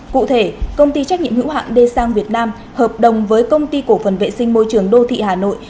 cụ thể công ty trách nhiệm hữu hạng d sang việt nam hợp đồng với công ty cổ phần vệ sinh môi trường đô thị hà nội